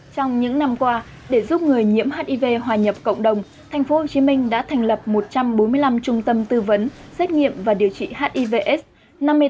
trong những năm qua để giúp người nhiễm hiv hòa nhập cộng đồng thành phố hồ chí minh đã thành lập một trăm bốn mươi năm trung tâm tư vấn xét nghiệm và điều trị hiv aids